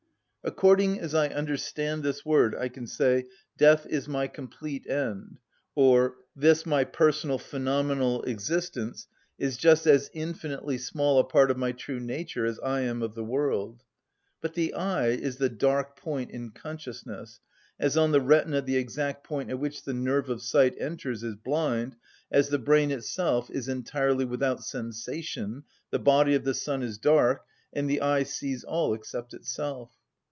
According as I understand this word I can say, "Death is my complete end;" or, "This my personal phenomenal existence is just as infinitely small a part of my true nature as I am of the world." But the "I" is the dark point in consciousness, as on the retina the exact point at which the nerve of sight enters is blind, as the brain itself is entirely without sensation, the body of the sun is dark, and the eye sees all except itself.